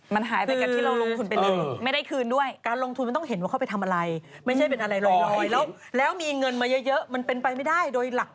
มันหายไปกับที่เราลงทุนไปเลยไม่ได้คืนด้วยการลงทุนมันต้องเห็นว่าเขาไปทำอะไรไม่ใช่เป็นอะไรแล้วมีเงินมาเยอะมันเป็นไปไม่ได้โดยหลัก